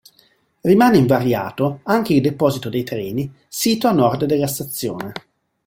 Rimane invariato anche il deposito dei treni sito a nord della stazione.